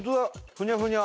ふにゃふにゃ。